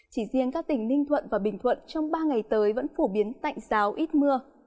chỉ riêng các tỉnh ninh thuận và bình thuận trong ba ngày tới vẫn phổ biến tạnh giáo ít mưa